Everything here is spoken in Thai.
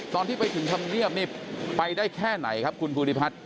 ตอนที่ไปถึงธรรมเนียบนี่ไปได้แค่ไหนครับคุณภูริพัฒน์